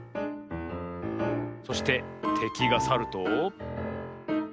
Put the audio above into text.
そしててきがさると。